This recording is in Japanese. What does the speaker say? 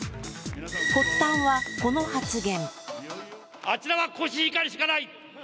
発端はこの発言。